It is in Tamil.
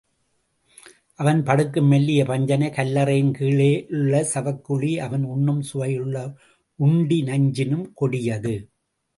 அவன் படுக்கும் மெல்லிய பஞ்சனை கல்லறையின் கீழுள்ள சவக்குழி அவன் உண்ணும் சுவையுள்ள உண்டி நஞ்சினும் கொடியது!